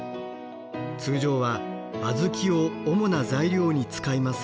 通常は小豆を主な材料に使いますが。